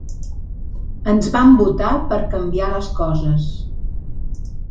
Ens van votar per canviar les coses.